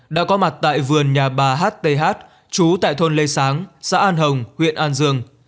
đã có mặt tại vườn nhà bà hth trú tại thôn lê sáng xã an hồng huyện an dương